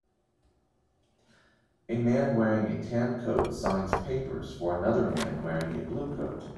A man wearing a tan coat signs papers for another man wearing a blue coat.